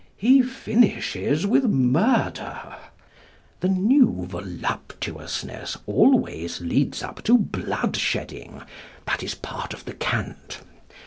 He finishes with murder: the New Voluptuousness always leads up to blood shedding that is part of the cant.